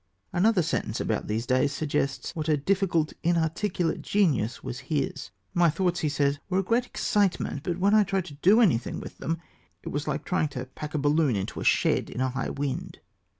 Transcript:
Another sentence about these days suggests what a difficult inarticulate genius was his. "My thoughts," he says, "were a great excitement, but when I tried to do anything with them, it was like trying to pack a balloon into a shed in a high wind."